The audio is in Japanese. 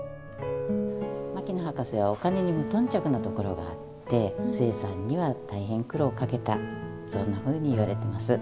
牧野博士はお金に無頓着なところがあって壽衛さんには大変苦労かけたそんなふうに言われてます。